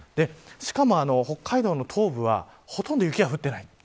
しかも、北海道の東部はほとんど雪が降っていない。